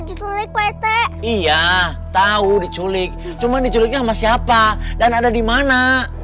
dikulik pt iya tahu diculik cuman diculik sama siapa dan ada di mana